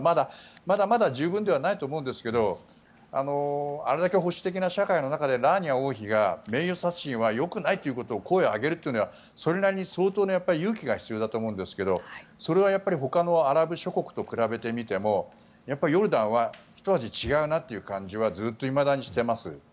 まだまだ十分ではないと思いますけれどもあれだけ保守的な社会の中でラーニア王妃が名誉殺人はよくないということを声を上げるというのはそれなりの勇気が必要だと思うんですけどそれは他のアラブ諸国と比べてみてもヨルダンはひと味違うなという感じはずっと、いまだにしています。